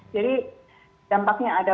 jadi dampaknya ada